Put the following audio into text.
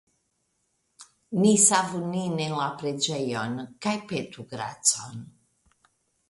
Ni savu nin en la preĝejon, kaj petu gracon!